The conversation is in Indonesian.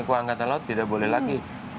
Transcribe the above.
untuk angkatan laut tidak boleh lagi